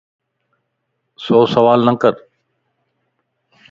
سو سوالَ نه ڪر